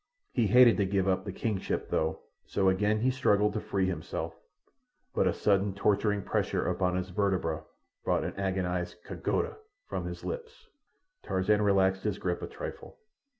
He hated to give up the kingship, though, so again he struggled to free himself; but a sudden torturing pressure upon his vertebra brought an agonized "ka goda!" from his lips. Tarzan relaxed his grip a trifle.